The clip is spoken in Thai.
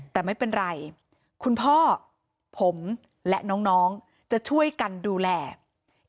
แต่ไม่เป็นไรคุณพ่อผมและน้องจะช่วยกันดูแล